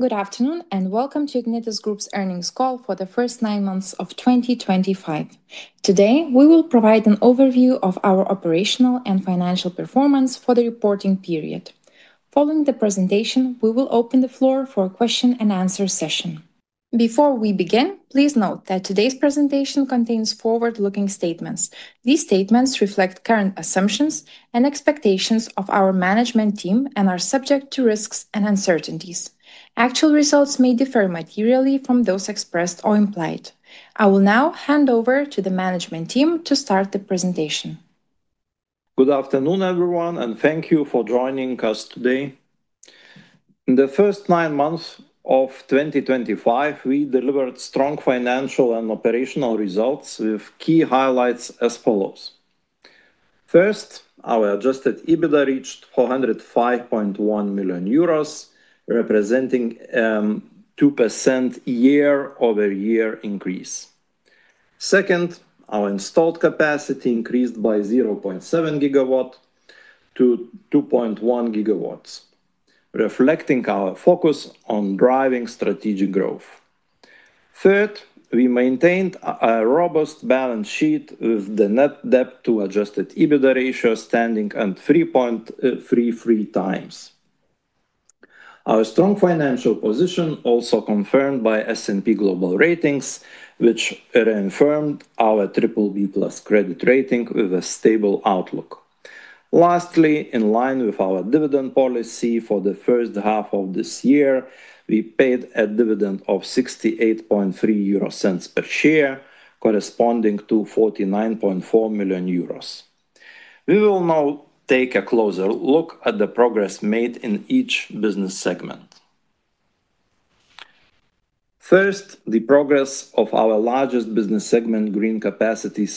Good afternoon and welcome to Ignitis Group's Earnings Call for the First Nine Months of 2025. Today, we will provide an overview of our operational and financial performance for the reporting period. Following the presentation, we will open the floor for a question-and-answer session. Before we begin, please note that today's presentation contains forward-looking statements. These statements reflect current assumptions and expectations of our management team and are subject to risks and uncertainties. Actual results may differ materially from those expressed or implied. I will now hand over to the management team to start the presentation. Good afternoon, everyone, and thank you for joining us today. In the first nine months of 2025, we delivered strong financial and operational results with key highlights as follows. First, our adjusted EBITDA reached 405.1 million euros, representing a 2% year-over-year increase. Second, our installed capacity increased by 0.7 GW to 2.1 GW, reflecting our focus on driving strategic growth. Third, we maintained a robust balance sheet with the net debt-to-adjusted EBITDA ratio standing at 3.33x. Our strong financial position also confirmed by S&P Global ratings, which reaffirmed our BBB+ credit rating with a stable outlook. Lastly, in line with our dividend policy for the first half of this year, we paid a dividend of 68.30 euro per share, corresponding to 49.4 million euros. We will now take a closer look at the progress made in each business segment. First, the progress of our largest business segment, green capacity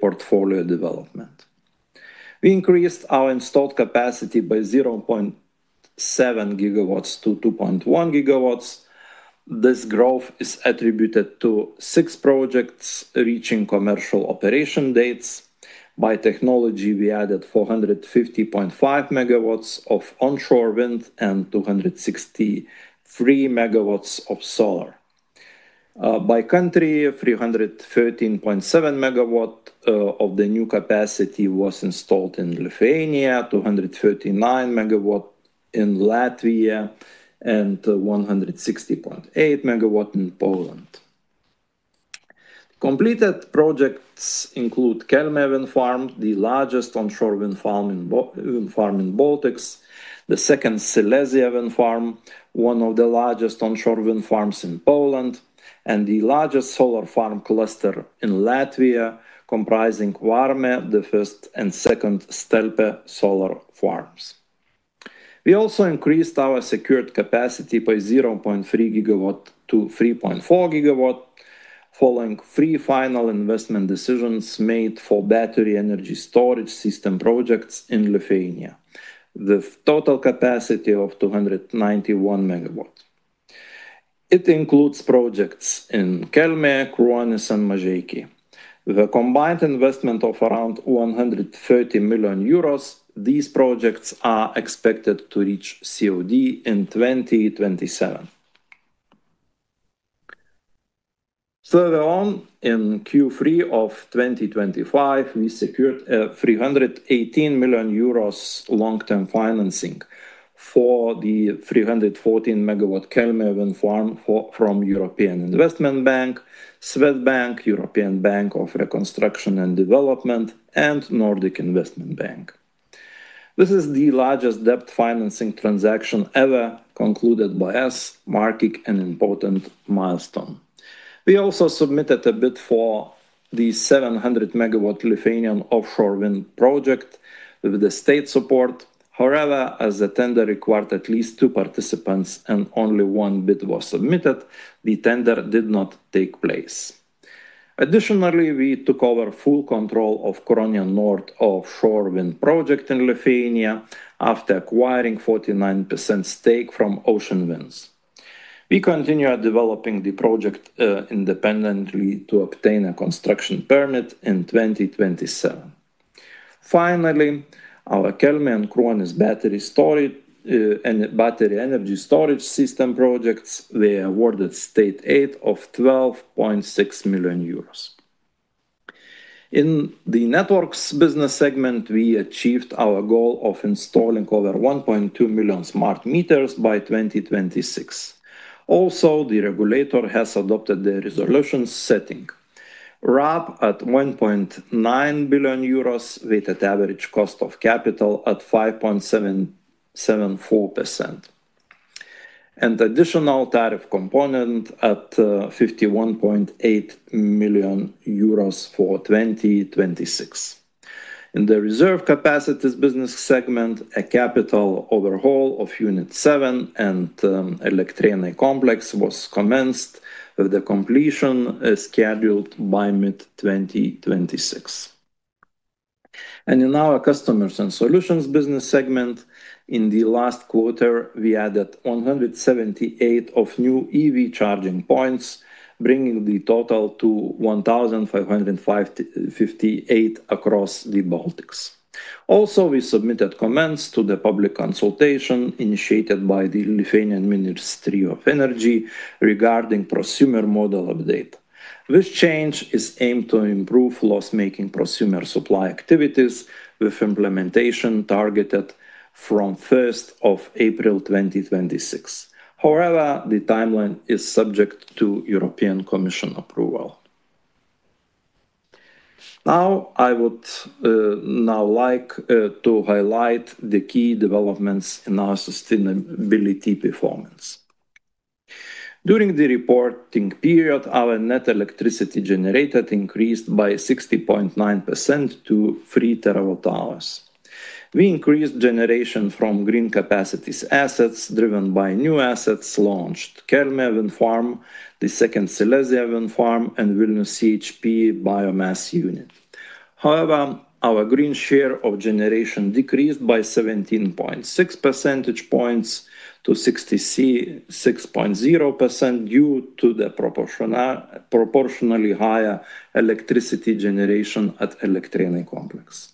portfolio development. We increased our installed capacity by 0.7 GW to 2.1 GW. This growth is attributed to six projects reaching commercial operation dates. By technology, we added 450.5 MW of onshore wind and 263 MW of solar. By country, 313.7 MW of the new capacity was installed in Lithuania, 239 MW in Latvia, and 160.8 MW in Poland. Completed projects include Kelmė Wind Farm, the largest onshore wind farm in the Baltics. The second, Silesia Wind Farm, one of the largest onshore wind farms in Poland, and the largest solar farm cluster in Latvia, comprising Varme, the first and second Stelpe Solar Farms. We also increased our secured capacity by 0.3 GW to 3.4 GW, following three final investment decisions made for battery energy storage system projects in Lithuania, with a total capacity of 291 MW. It includes projects in Kelmė, Kruonis and Mažeikiai. With a combined investment of around 130 million euros, these projects are expected to reach COD in 2027. Further on, in Q3 of 2025, we secured 318 million euros long-term financing for the 314-MW Kelmė Wind Farm from European Investment Bank, Swedbank, European Bank for Reconstruction and Development, and Nordic Investment Bank. This is the largest debt financing transaction ever concluded by us, marking an important milestone. We also submitted a bid for the 700-MW Lithuania offshore wind project with state support. However, as the tender required at least two participants and only one bid was submitted, the tender did not take place. Additionally, we took over full control of Curonian Nord Offshore Wind Project in Lithuania after acquiring a 49% stake from Ocean Winds. We continue developing the project independently to obtain a construction permit in 2027. Finally, our Kelmė and Kruonis battery energy storage system projects were awarded state aid of 12.6 million euros. In the networks business segment, we achieved our goal of installing over 1.2 million smart meters by 2026. Also, the regulator has adopted the resolution setting RAB at 1.9 billion euros, with an average cost of capital at 5.74%, and an additional tariff component at 51.8 million euros for 2026. In the reserve capacities business segment, a capital overhaul of Unit 7 and Elektrėnai Complex was commenced, with the completion scheduled by mid-2026. In our customers and solutions business segment, in the last quarter, we added 178 new EV charging points, bringing the total to 1,558 across the Baltics. Also, we submitted comments to the public consultation initiated by the Lithuanian Ministry of Energy regarding the prosumer model update. This change is aimed to improve loss-making prosumer supply activities, with implementation targeted from 1 April 2026. However, the timeline is subject to the European Commission approval. Now, I would now like to highlight the key developments in our sustainability performance. During the reporting period, our net electricity generated increased by 60.9% to 3 terawatt-hours. We increased generation from green capacities assets driven by new assets launched: Kelmė Wind Farm, the second Silesia Wind Farm, and Vilnius CHP biomass unit. However, our green share of generation decreased by 17.6 percentage points to 66.0% due to the proportionally higher electricity generation at Elektrėnai Complex.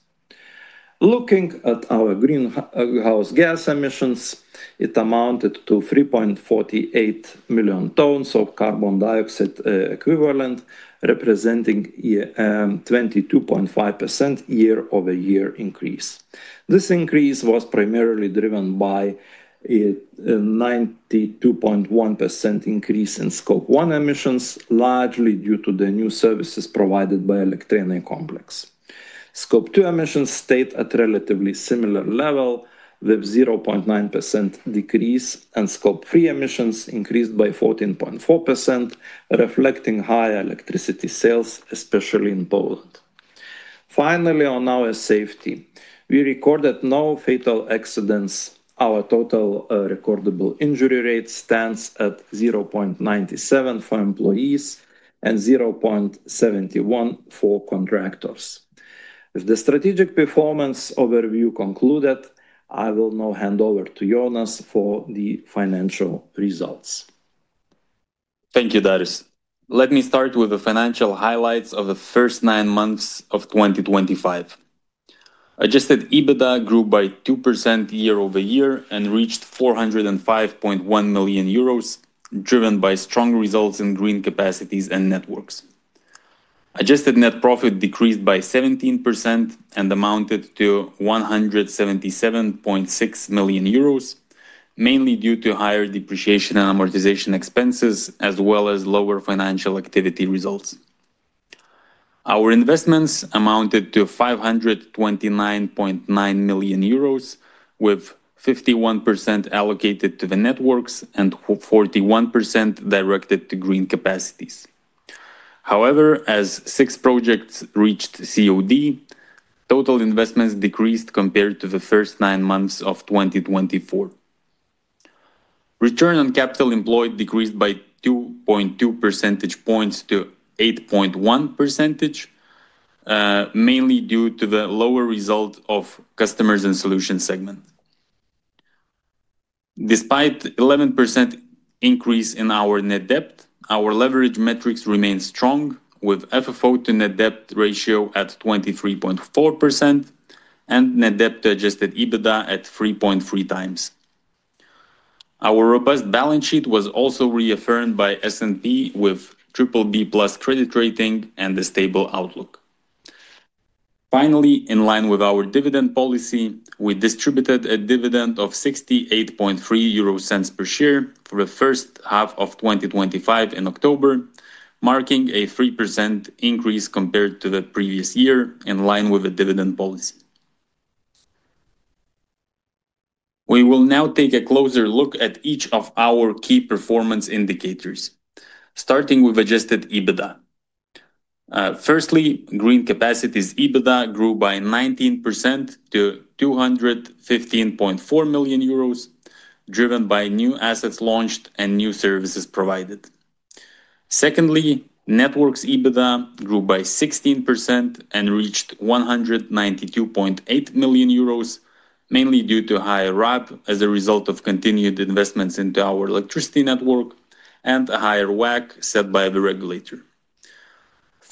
Looking at our greenhouse gas emissions, it amounted to 3.48 million tons of carbon dioxide equivalent, representing a 22.5% year-over-year increase. This increase was primarily driven by a 92.1% increase in scope 1 emissions, largely due to the new services provided by Elektrėnai Complex. Scope 2 emissions stayed at a relatively similar level, with a 0.9% decrease, and scope 3 emissions increased by 14.4%, reflecting higher electricity sales, especially in Poland. Finally, on our safety, we recorded no fatal accidents. Our total recordable injury rate stands at 0.97 for employees and 0.71 for contractors. With the strategic performance overview concluded, I will now hand over to Jonas for the financial results. Thank you, Darius. Let me start with the financial highlights of the first nine months of 2025. Adjusted EBITDA grew by 2% year-over-year and reached 405.1 million euros, driven by strong results in green capacities and networks. Adjusted net profit decreased by 17% and amounted to 177.6 million euros, mainly due to higher depreciation and amortization expenses, as well as lower financial activity results. Our investments amounted to 529.9 million euros, with 51% allocated to the networks and 41% directed to green capacities. However, as six projects reached COD, total investments decreased compared to the first nine months of 2024. Return on capital employed decreased by 2.2 percentage points to 8.1%, mainly due to the lower result of the customers and solutions segment. Despite an 11% increase in our net debt, our leverage metrics remained strong, with the FFO to net debt ratio at 23.4% and net debt-to-adjusted EBITDA at 3.3x. Our robust balance sheet was also reaffirmed by S&P Global, with a BBB+ credit rating and a stable outlook. Finally, in line with our dividend policy, we distributed a dividend of 68.30 euro per share for the first half of 2025 in October, marking a 3% increase compared to the previous year, in line with the dividend policy. We will now take a closer look at each of our key performance indicators, starting with adjusted EBITDA. Firstly, green capacities EBITDA grew by 19% to 215.4 million euros, driven by new assets launched and new services provided. Secondly, networks EBITDA grew by 16% and reached 192.8 million euros, mainly due to higher RAB as a result of continued investments into our electricity network and a higher WACC set by the regulator.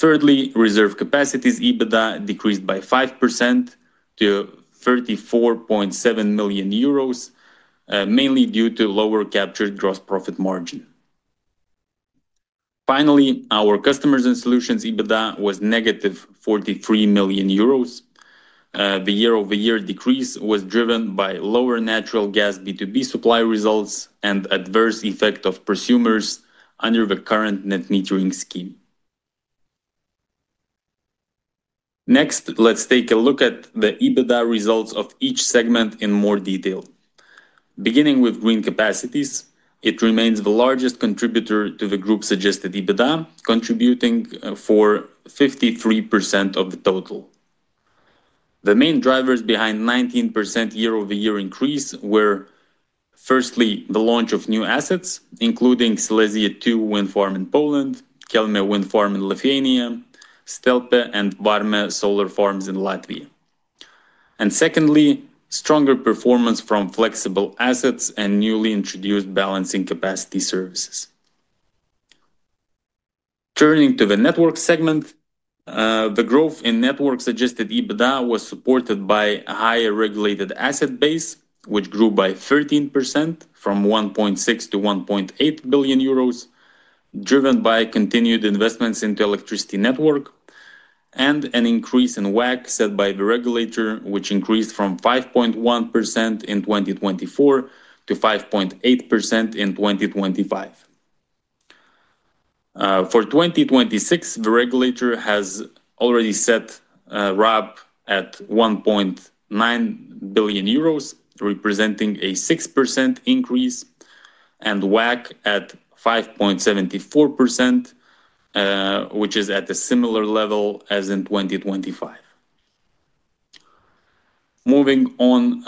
Thirdly, reserve capacities EBITDA decreased by 5% to 34.7 million euros, mainly due to lower captured gross profit margin. Finally, our customers and solutions EBITDA was negative 43 million euros. The year-over-year decrease was driven by lower natural gas B2B supply results and the adverse effect of prosumers under the current net metering scheme. Next, let's take a look at the EBITDA results of each segment in more detail. Beginning with green capacities, it remains the largest contributor to the group's adjusted EBITDA, contributing for 53% of the total. The main drivers behind the 19% year-over-year increase were, firstly, the launch of new assets, including Silesia 2 Wind Farm in Poland, Kelmė Wind Farm in Lithuania, Stelpe and Varme Solar Farms in Latvia. Secondly, stronger performance from flexible assets and newly introduced balancing capacity services. Turning to the networks segment, the growth in networks adjusted EBITDA was supported by a higher regulated asset base, which grew by 13% from 1.6 billion to 1.8 billion euros, driven by continued investments into the electricity network and an increase in WACC set by the regulator, which increased from 5.1% in 2024 to 5.8% in 2025. For 2026, the regulator has already set RAB at 1.9 billion euros, representing a 6% increase, and WACC at 5.74%, which is at a similar level as in 2025. Moving on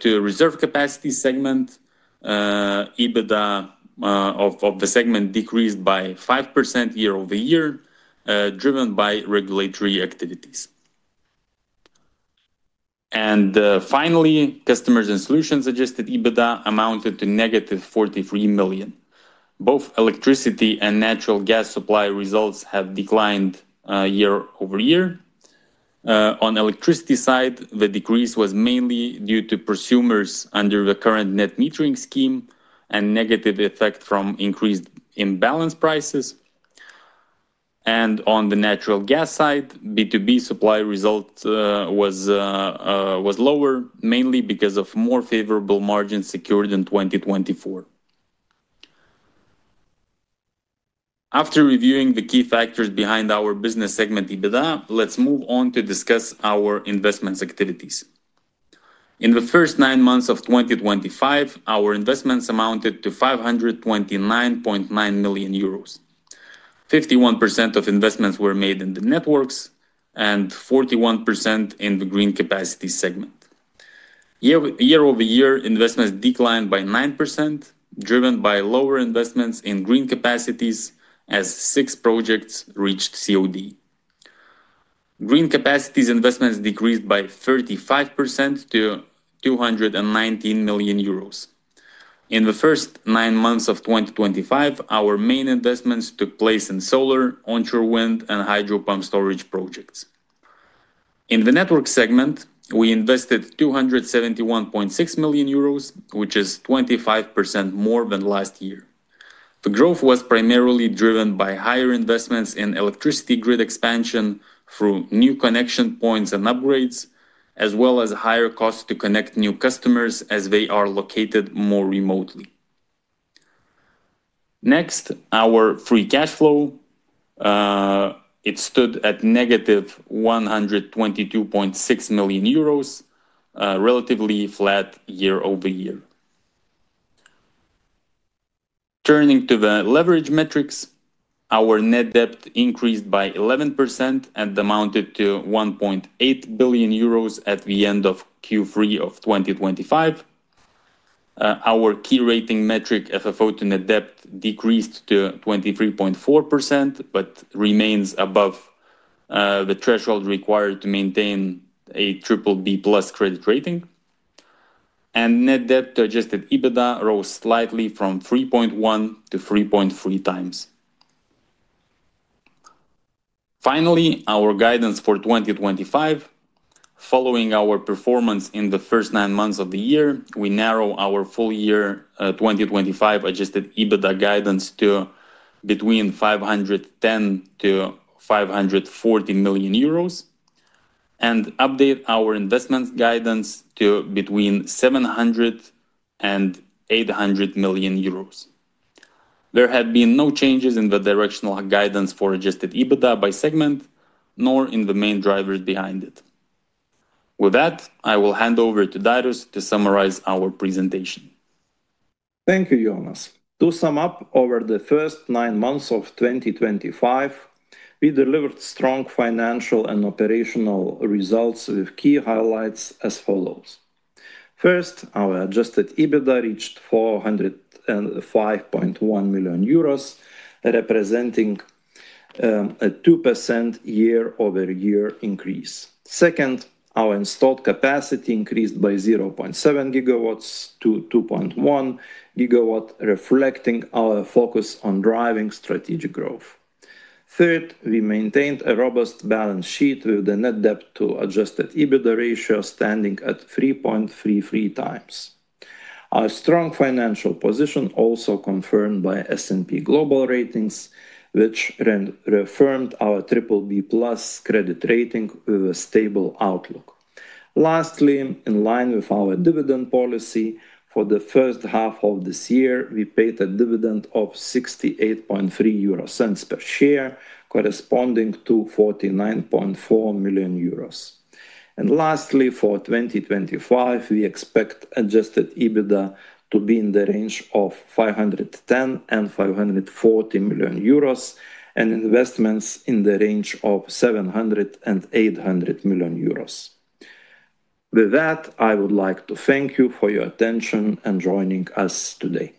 to the reserve capacity segment, EBITDA of the segment decreased by 5% year-over-year, driven by regulatory activities. Finally, customers and solutions adjusted EBITDA amounted to negative 43 million. Both electricity and natural gas supply results have declined year-over-year. On the electricity side, the decrease was mainly due to prosumers under the current net metering scheme and a negative effect from increased imbalance prices. On the natural gas side, B2B supply result was lower, mainly because of more favorable margins secured in 2024. After reviewing the key factors behind our business segment EBITDA, let's move on to discuss our investment activities. In the first nine months of 2025, our investments amounted to 529.9 million euros. 51% of investments were made in the networks and 41% in the green capacity segment. Year-over-year, investments declined by 9%, driven by lower investments in green capacities, as six projects reached COD. Green capacities investments decreased by 35% to 219 million euros. In the first nine months of 2025, our main investments took place in solar, onshore wind, and hydropump storage projects. In the networks segment, we invested 271.6 million euros, which is 25% more than last year. The growth was primarily driven by higher investments in electricity grid expansion through new connection points and upgrades, as well as higher costs to connect new customers as they are located more remotely. Next, our free cash flow, it stood at negative 122.6 million euros, relatively flat year-over-year. Turning to the leverage metrics, our net debt increased by 11% and amounted to 1.8 billion euros at the end of Q3 of 2025. Our key rating metric, FFO to net debt, decreased to 23.4% but remains above the threshold required to maintain a BBB+ credit rating. Net debt-to-adjusted EBITDA rose slightly from 3.1x to 3.3x. Finally, our guidance for 2025, following our performance in the first nine months of the year, we narrow our full-year 2025 adjusted EBITDA guidance to between 510 million-540 million euros and update our investment guidance to between 700 million-800 million euros. There have been no changes in the directional guidance for adjusted EBITDA by segment, nor in the main drivers behind it. With that, I will hand over to Darius to summarize our presentation. Thank you, Jonas. To sum up, over the first nine months of 2025, we delivered strong financial and operational results with key highlights as follows. First, our adjusted EBITDA reached 405.1 million euros, representing a 2% year-over-year increase. Second, our installed capacity increased by 0.7 GW to 2.1 GW, reflecting our focus on driving strategic growth. Third, we maintained a robust balance sheet with the net debt-to-adjusted EBITDA ratio standing at 3.33x. Our strong financial position also confirmed by S&P Global ratings, which reaffirmed our BBB+ credit rating with a stable outlook. Lastly, in line with our dividend policy, for the first half of this year, we paid a dividend of 68.3 euro per share, corresponding to 49.4 million euros. Lastly, for 2025, we expect adjusted EBITDA to be in the range of 510 million-540 million euros and investments in the range of 700 million-800 million euros. With that, I would like to thank you for your attention and joining us today.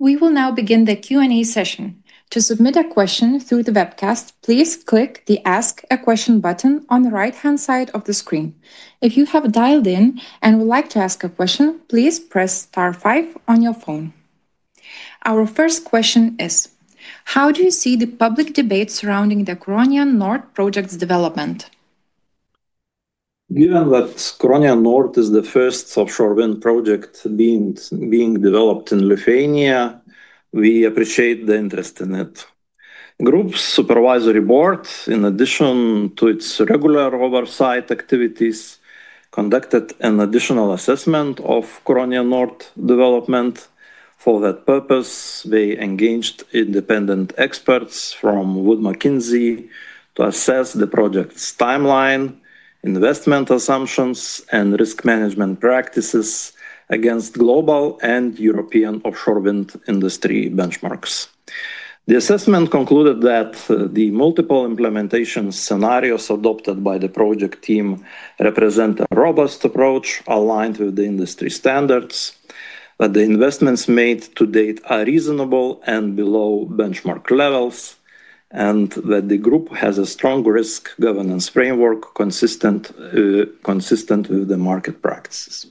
We will now begin the Q&A session. To submit a question through the webcast, please click the Ask a Question button on the right-hand side of the screen. If you have dialed in and would like to ask a question, please press star five on your phone. Our first question is, how do you see the public debate surrounding the Curonian Nord project's development? Given that Curonian Nord is the first offshore wind project being developed in Lithuania, we appreciate the interest in it. The group's supervisory board, in addition to its regular oversight activities, conducted an additional assessment of Curonian Nord's development. For that purpose, they engaged independent experts from Wood Mackenzie to assess the project's timeline, investment assumptions, and risk management practices against global and European offshore wind industry benchmarks. The assessment concluded that the multiple implementation scenarios adopted by the project team represent a robust approach aligned with the industry standards, that the investments made to date are reasonable and below benchmark levels, and that the group has a strong risk governance framework consistent with the market practices.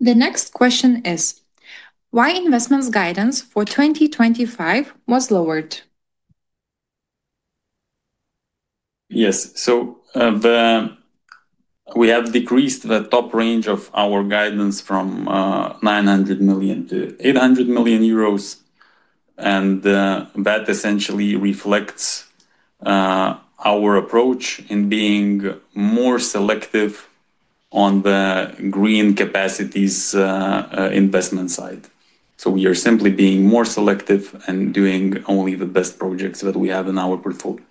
The next question is, why was investment guidance for 2025 was lowered? Yes. We have decreased the top range of our guidance from 900 million to 800 million euros, and that essentially reflects our approach in being more selective on the green capacities investment side. We are simply being more selective and doing only the best projects that we have in our portfolio.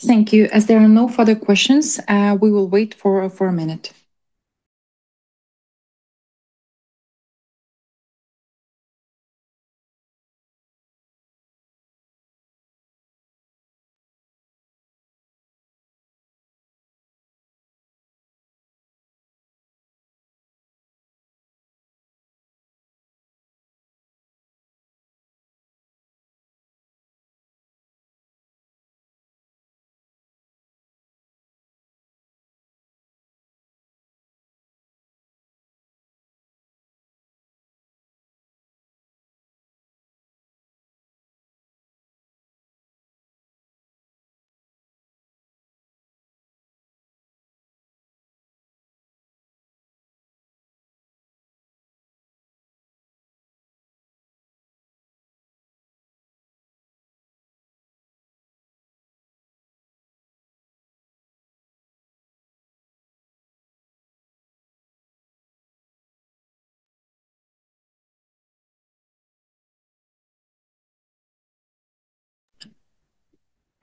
Thank you. As there are no further questions, we will wait for a minute.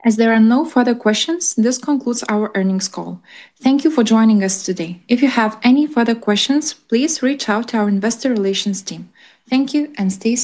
As there are no further questions, this concludes our earnings call. Thank you for joining us today. If you have any further questions, please reach out to our investor relations team. Thank you and stay.